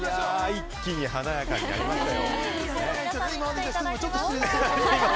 一気に華やかになりましたよ。